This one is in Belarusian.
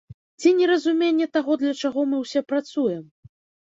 Ці неразуменне таго для чаго мы ўсе працуем?